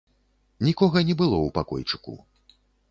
Нікога не было ў пакойчыку.